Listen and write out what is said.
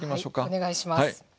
お願いします。